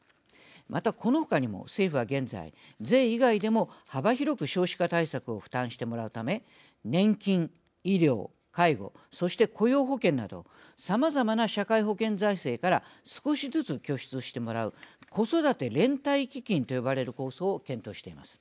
また、この他にも政府は現在、税以外でも幅広く少子化対策を負担してもらうため年金、医療、介護そして雇用保険などさまざまな社会保険財政から少しずつ拠出してもらう子育て連帯基金と呼ばれる構想を検討しています。